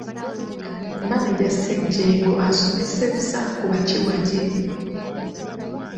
Maneja Ssejjengo asomesezza ku bakiwagi.